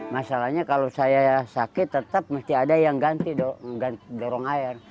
masalahnya kalau saya sakit tetap mesti ada yang ganti dong ganti dorong air